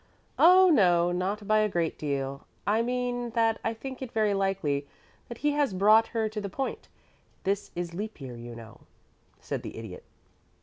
"Oh no; not by a great deal. I mean that I think it very likely that he has brought her to the point. This is leap year, you know," said the Idiot.